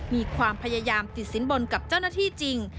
มีความพยายามติดสินบนกับเจ้าหน้าที่จริง